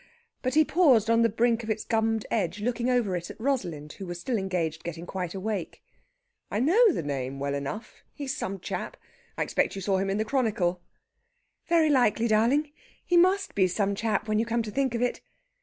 But he paused on the brink of its gummed edge, looking over it at Rosalind, who was still engaged getting quite awake. "I know the name well enough. He's some chap! I expect you saw him in the 'Chronicle.'" "Very likely, darling! He must be some chap, when you come to think of it."